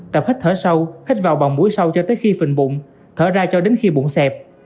tập hít thở sâu hít vào bằng mũi sau cho tới khi phình bụng thở ra cho đến khi bụng xẹp